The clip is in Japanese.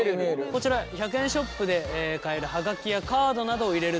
こちら１００円ショップで買える葉書やカードなどを入れる透明の袋。